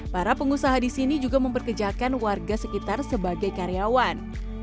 para pengusaha di sini juga memperkejakan warga sekitar sebagai karyawan